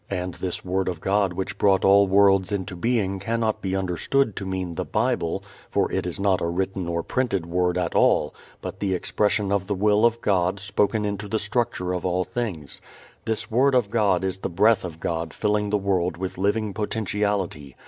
And this word of God which brought all worlds into being cannot be understood to mean the Bible, for it is not a written or printed word at all, but the expression of the will of God spoken into the structure of all things. This word of God is the breath of God filling the world with living potentiality.